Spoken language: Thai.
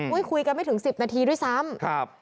คุยกันไม่ถึง๑๐นาทีด้วยซ้ำ